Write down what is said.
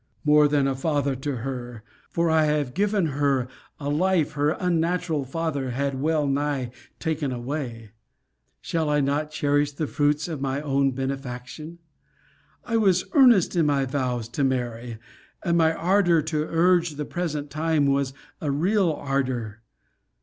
More than a father to her: for I have given her a life her unnatural father had well nigh taken away: Shall I not cherish the fruits of my own benefaction? I was earnest in my vows to marry, and my ardour to urge the present time was a real ardour.